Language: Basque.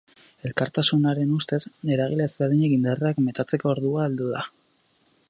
Elkartearen ustez, eragile ezberdinek indarrak metatzeko ordua heldu da.